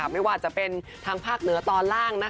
ไม่ว่าจะเป็นทางภาคเหนือตอนล่าง